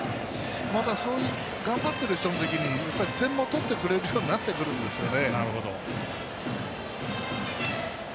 またそういう頑張っている人の時に点も取ってくれる人になっていくんですよね。